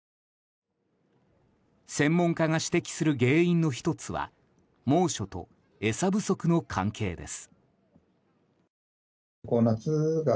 専門家が指摘する原因の１つは猛暑と餌不足の関係です。